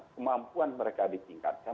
kemampuan mereka ditingkatkan